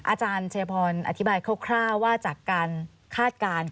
อาจารย์ชัยพรอธิบายคร่าวว่าจากการคาดการณ์